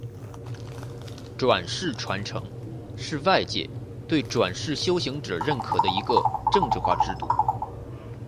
转世传承是外界对转世修行者认可的一个政治化制度。